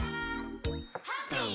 「ハッピー！」